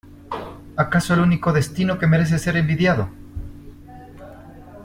¡ acaso el único destino que merece ser envidiado!